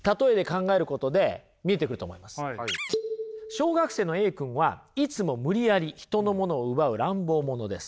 小学生のＡ君はいつも無理やり人のものを奪う乱暴者です。